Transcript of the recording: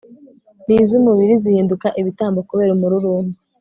nizumubiri zihinduka ibitambo kubera umururumba